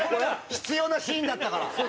必要なシーンだったから。